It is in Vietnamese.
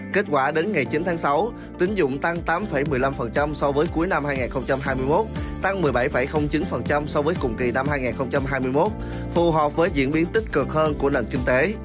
kết quả đến ngày chín tháng sáu tính dụng tăng tám một mươi năm so với cuối năm hai nghìn hai mươi một tăng một mươi bảy chín so với cùng kỳ năm hai nghìn hai mươi một phù hợp với diễn biến tích cực hơn của nền kinh tế